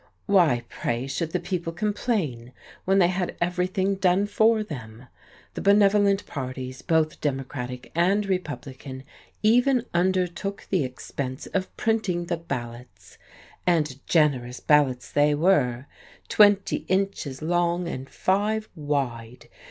Why, pray, should the people complain, when they had everything done for them? The benevolent parties, both Democratic and Republican, even undertook the expense of printing the ballots! And generous ballots they were (twenty inches long and five wide!)